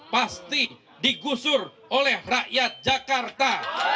pasti digusur oleh rakyat jakarta